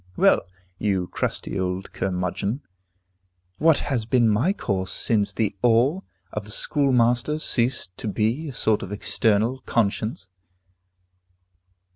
Well, you crusty old curmudgeon, what has been my course since the awe of the schoolmaster ceased to be a sort of external conscience?